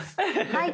はい。